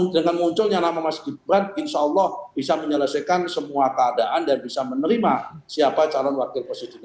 dengan munculnya nama mas gibran insya allah bisa menyelesaikan semua keadaan dan bisa menerima siapa calon wakil presidennya